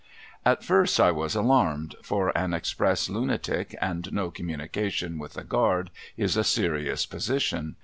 At first I was alarmed, for an Exj)ress lunatic and no communi cation with the guard, is a serious position.